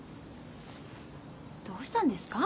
どうしたんですか？